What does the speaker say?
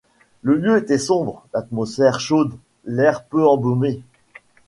Le lieu était sombre, l’atmosphère chaude, l’air peu embaumé.